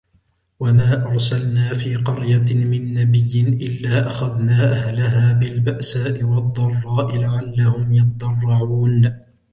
وما أرسلنا في قرية من نبي إلا أخذنا أهلها بالبأساء والضراء لعلهم يضرعون